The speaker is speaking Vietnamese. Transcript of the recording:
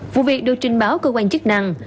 vụ việc được trình báo cơ quan chức năng